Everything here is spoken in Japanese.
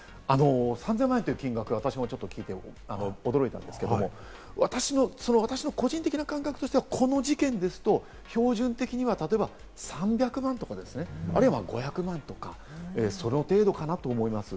３０００万円というのは私も聞いて驚いたんですけれども、私の個人的な感覚としてはこの事件ですと、標準的には３００万とか、あるいは５００万とか、その程度かなと思います。